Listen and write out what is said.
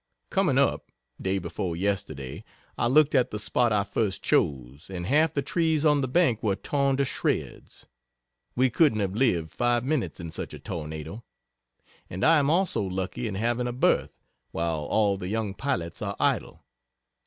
Coming up, day before yesterday, I looked at the spot I first chose, and half the trees on the bank were torn to shreds. We couldn't have lived 5 minutes in such a tornado. And I am also lucky in having a berth, while all the young pilots are idle.